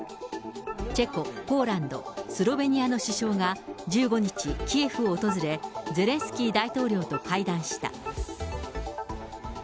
チェコ、ポーランド、スロベニアの首相が１５日、キエフを訪れ、ゼレンスキー大統領と会談した。